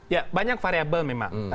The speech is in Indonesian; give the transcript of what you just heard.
ya banyak variable memang